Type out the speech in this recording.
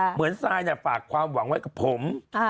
เหมือนซายเนี่ยฝากความหวังไว้กับผม